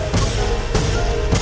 itu jahat waduhan kita